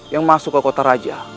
yang masuk ke kota raja